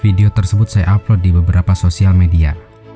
video tersebut saya upload di beberapa sosial media